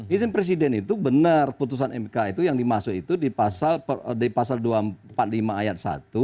izin presiden itu benar putusan mk itu yang dimasuk itu di pasal empat puluh lima ayat satu